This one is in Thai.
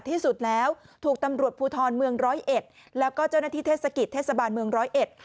ที่สุดแล้วถูกตำรวจภูทรเมืองร้อยเอ็ดแล้วก็เจ้าหน้าที่เทศกิจเทศบาลเมืองร้อยเอ็ด